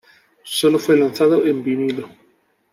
Sólo fue lanzado en vinilo.